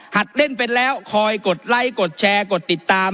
เล่นเป็นแล้วคอยกดไลค์กดแชร์กดติดตาม